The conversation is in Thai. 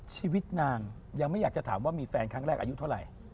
ชีวิตนางยังไม่อยากจะถามว่ามีแฟนครั้งแรกอายุเท่าไหร่